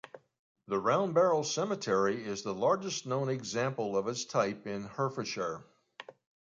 The round barrow cemetery is the largest known example of its type in Hertfordshire.